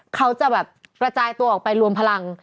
คือกระแสตัวออกไปรวมพลัง